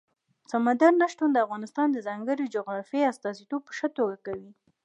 سمندر نه شتون د افغانستان د ځانګړي جغرافیې استازیتوب په ښه توګه کوي.